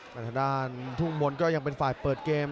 มาทางด้านทุกคนก็ยังเป็นฝ่ายเปิดเกม